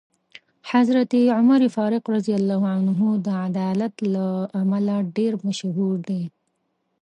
حضرت عمر فاروق رض د عدالت له امله ډېر مشهور دی.